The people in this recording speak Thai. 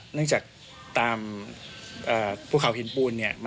เนื่องจากตามผู้เข่าหินปูนเนี่ย